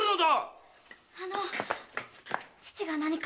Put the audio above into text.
あの父が何か？